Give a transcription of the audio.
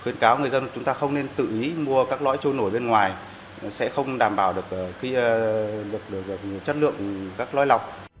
khuyến cáo người dân chúng ta không nên tự ý mua các loại trôi nổi bên ngoài sẽ không đảm bảo được chất lượng các loại lọc